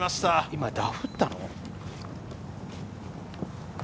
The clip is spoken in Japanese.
今、ダフったの？